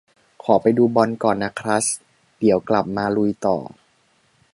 ขอไปดูบอลก่อนนะครัส เดี๋ยวกลับมาลุยต่อ